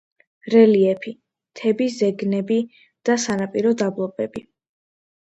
რელიეფი: მთები, ზეგნები და სანაპირო დაბლობები.